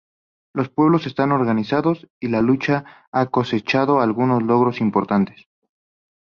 Los pueblos están organizados y la lucha ha cosechado algunos logros importantes.